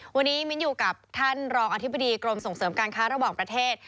วันนี้มิ้นอยู่กับท่านรองอธิบดีกรมส่งเสริมการค้าระหว่างประเทศ